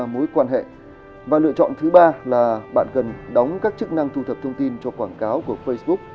mối quan hệ và lựa chọn thứ ba là bạn cần đóng các chức năng thu thập thông tin cho quảng cáo của facebook